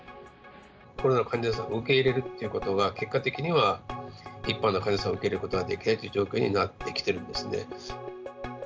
コロナの患者さんを受け入れるということは、結果的には一般の患者さんを受け入れることができない状況になってきているんですね。